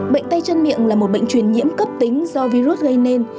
bệnh tay chân miệng là một bệnh truyền nhiễm cấp tính do virus gây nên